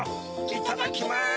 いただきます！